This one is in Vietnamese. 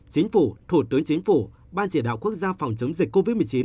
chính phủ thủ tướng chính phủ ban chỉ đạo quốc gia phòng chống dịch covid một mươi chín